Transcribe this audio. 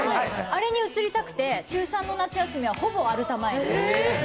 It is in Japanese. あれに映りたくて中３の夏休みはほぼアルタ前に。